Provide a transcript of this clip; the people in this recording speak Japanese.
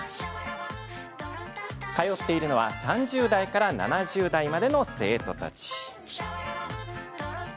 通っているのは３０代から７０代までの生徒たち。